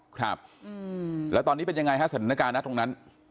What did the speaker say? ครับแล้วตอนนี้เป็นยังไงฮะสถานการณ์นะตรงนั้น